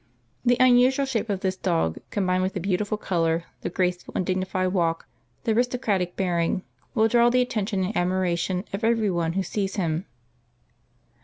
The unusual shape of this dog, combined with a beautiful color, the graceful and dignified walk, the aristocratic bearing, will draw the attention and admiration of every one who sees him.